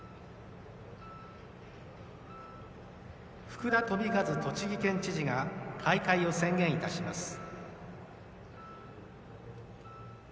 福田富一栃木県知事が開会を宣言いたします。